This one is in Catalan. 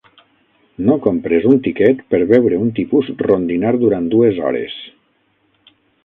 No compres un tiquet per veure un tipus rondinar durant dues hores!